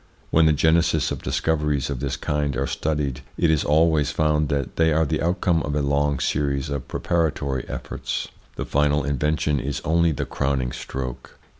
When the genesis of dis coveries of this kind are studied, it is always found that they are the outcome of a long series of preparatory efforts : the final invention is only the crowning stroke.